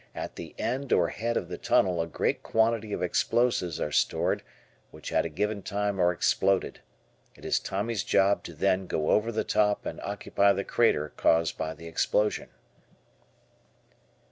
At the end or head of the tunnel a great quantity of explosives are stored which at a given time are exploded. It is Tommy's job to then go "over the top" and occupy the crater caused by the explosion.